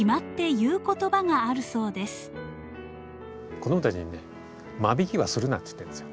子供たちに「間引きはするな」って言ってるんですよ。